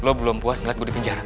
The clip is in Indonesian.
lu belum puas ngeliat gue di pinjara